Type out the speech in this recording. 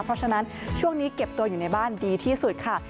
เพราะฉะนั้นช่วงนี้เก็บตัวอยู่ในบ้านดีที่สุดค่ะ